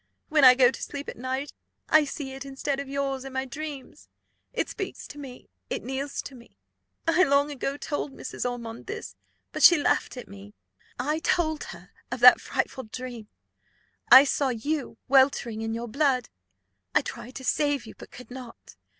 When I go to sleep at night, I see it, instead of yours, in my dreams; it speaks to me, it kneels to me. I long ago told Mrs. Ormond this, but she laughed at me. I told her of that frightful dream. I saw you weltering in your blood; I tried to save you, but could not.